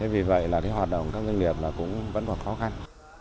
vì vậy hoạt động các doanh nghiệp vẫn còn khó khăn